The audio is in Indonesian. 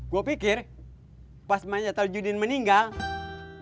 gue pikir pas manjatau judin meninggal